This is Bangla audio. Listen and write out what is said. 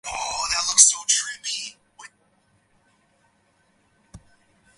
কিন্তু এবার শশীর বিবাহে ওকে নিয়ে কী করবে বলো।